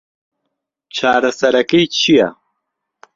چارەسەرەکەی چییە؟